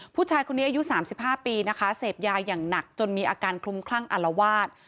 ผู้ชายคนนี้อายุ๓๕ปีนะคะเสพยาอย่างหนักจนมีอาการคลุมคลั่งอารวาส